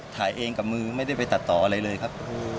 ถ่ายเองกับมือไม่ได้ไปตัดต่ออะไรเลยครับ